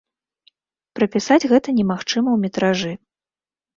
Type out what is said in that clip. Прапісаць гэта немагчыма ў метражы.